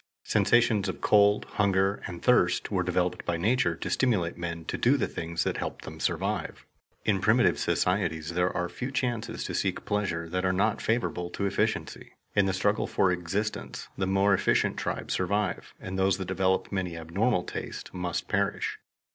Sensations of cold, hunger, and thirst were developed by nature to stimulate men to do the things that helped them to survive. In primitive societies there are few chances to seek pleasures that are not favorable to efficiency. In the struggle for existence the more efficient tribes survive, and those that develop many abnormal tastes must perish.